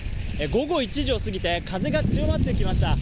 午後１時を過ぎて、風が強まってきました。